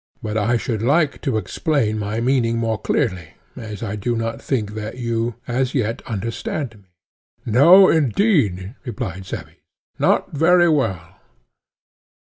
But I should like to explain my meaning more clearly, as I do not think that you as yet understand me. No indeed, replied Cebes, not very well.